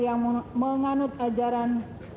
yang menganut ajaran